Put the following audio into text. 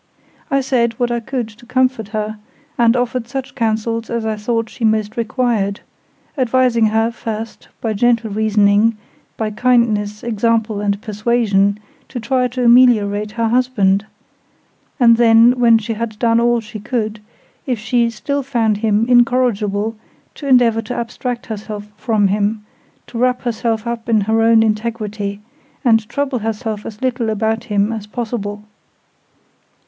I said what I could to comfort her, and offered such counsels as I thought she most required: advising her, first, by gentle reasoning, by kindness, example, and persuasion, to try to ameliorate her husband; and then, when she had done all she could, if she still found him incorrigible, to endeavour to abstract herself from him—to wrap herself up in her own integrity, and trouble herself as little about him as possible.